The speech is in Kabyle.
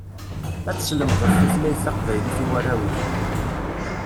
Ad teslemdeḍ tutlayt taqbaylit i warraw-ik.